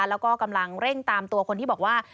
แล้วก็กำลังเร่งตามตัวคนที่บอกว่า